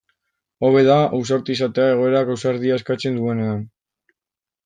Hobe da ausarta izatea egoerak ausardia eskatzen duenean.